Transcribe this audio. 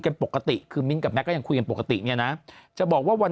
ปกติคือมิ้นท์กับแก๊ก็ยังคุยกันปกติเนี่ยนะจะบอกว่าวัน